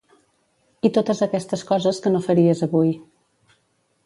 I totes aquests coses que no faries avui.